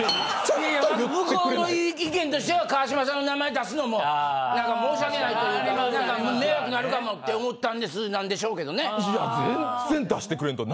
いや向こうの意見としては川島さんの名前出すのもなんか申し訳ないというかなんか迷惑なるかもって思ったんですなんでしょうけどね。